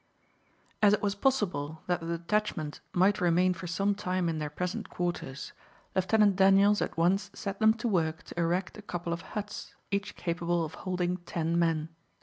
As it was possible that the detachment might remain for some time in their present quarters, Lieutenant Daniels at once set them to work to erect a couple of huts, each capable of holding ten men.